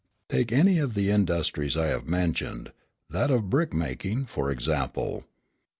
"Take any of the industries I have mentioned, that of brick making, for example.